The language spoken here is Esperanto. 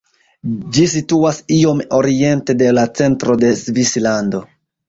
Ĝi situas iom oriente de la centro de Svislando.